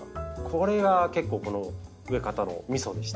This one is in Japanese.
これが結構この植え方のみそでして。